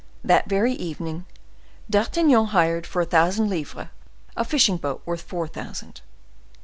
That very evening D'Artagnan hired for a thousand livres a fishing boat worth four thousand.